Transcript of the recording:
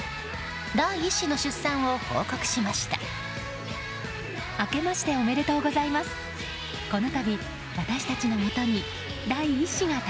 第１子の出産を報告しました。